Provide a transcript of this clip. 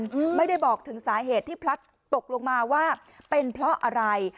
อืมไม่ได้บอกถึงสาเหตุที่พลัดตกลงมาว่าเป็นเพราะอะไร